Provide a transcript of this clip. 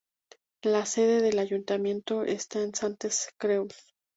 La sede del ayuntamiento está en Santes Creus.